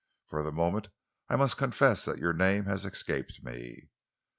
For the moment I must confess that your name has escaped me."